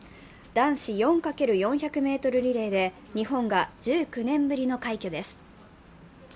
男子４×４００ｍリレーで日本が１９年ぶりの快挙です。